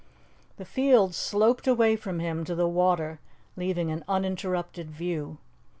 The fields sloped away from him to the water, leaving an uninterrupted view.